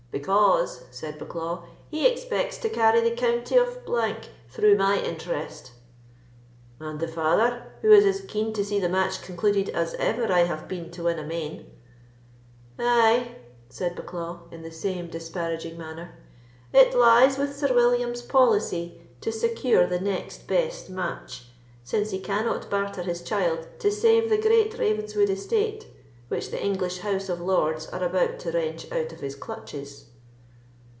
"Because," said Bucklaw, "he expects to carry the county of —— through my interest." "And the father, who is as keen to see the match concluded as ever I have been to win a main?" "Ay," said Bucklaw, in the same disparaging manner, "it lies with Sir William's policy to secure the next best match, since he cannot barter his child to save the great Ravenswood estate, which the English House of Lords are about to wrench out of his clutches."